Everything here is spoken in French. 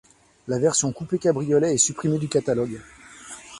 La version coupé cabriolet est supprimée du catalogue.